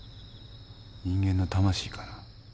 人間の魂かな？